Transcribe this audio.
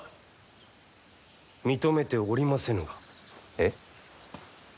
えっ。